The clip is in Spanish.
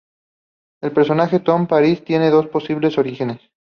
El personaje "Tom Paris" tiene dos posibles orígenes.